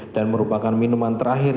dan merupakan minuman terakhir